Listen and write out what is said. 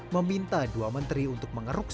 meminta dua menteri untuk mengeruk